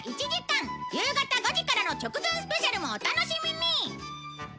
夕方５時からの直前スペシャルもお楽しみに